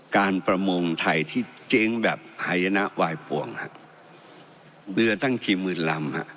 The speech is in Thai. การประมงไทยที่เจ๊งแบบหายนะวายป่วงฮะเรือตั้งกี่หมื่นลำฮะ